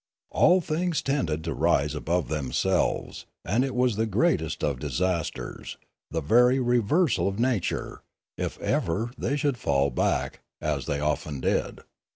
All things tended to rise above themselves; and it was the greatest of disasters, the very reversal of nature, if ever they should fall back, as they often did.